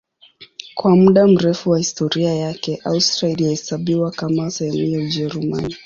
Kwa muda mrefu wa historia yake Austria ilihesabiwa kama sehemu ya Ujerumani.